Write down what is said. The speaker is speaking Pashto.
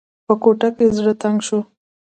په کوټه کې زړه تنګ شو.